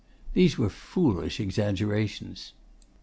These were foolish exaggerations.